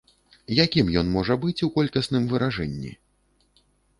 Якім ён можа быць у колькасным выражэнні?